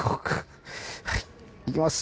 はいいきます。